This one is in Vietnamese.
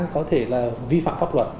có thể là vi phạm pháp luật